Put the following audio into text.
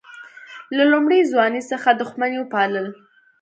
له لومړۍ ځوانۍ څخه دښمني وپالل.